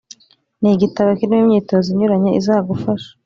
Ni igitabo kirimo imyitozo inyuranye izagufasha